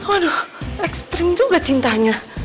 aduh ekstrim juga cintanya